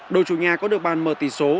đội chủ nhà có được bàn mở tỷ số